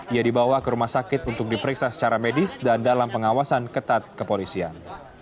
ia dibawa ke rumah sakit untuk diperiksa secara medis dan dalam pengawasan ketat kepolisian